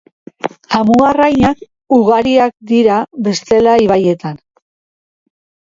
Amuarrainak ugariak dira bestela ibaietan.